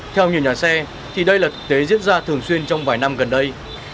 theo nhiều nhà xe thì đây là thực tế diễn ra thường xuyên trong vài năm gần đây